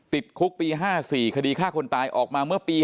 ติดคุกปี๕๔คดีฆ่าคนตายออกมาเมื่อปี๕